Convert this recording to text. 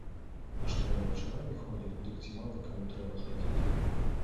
А што яна вечарамі ходзіць, дык ці мала каму трэба хадзіць.